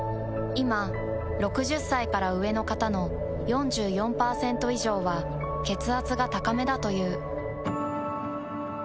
いま６０歳から上の方の４４％以上は血圧が高めだという。